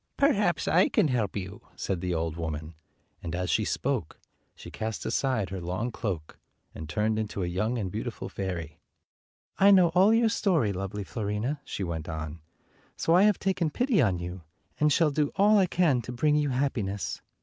"Perhaps I can help you," said the old woman ; and as she spoke she cast aside her 221 long cloak, and turned into a young and beau tiful fairy. "I know all your story, lovely Fiorina," she went on, "so I have taken pity on you, and shall do all I can to bring you happiness.